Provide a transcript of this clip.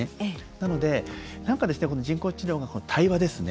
なので人工知能が対話ですね。